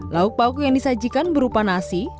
lauk pauk yang disajikan berupa nasi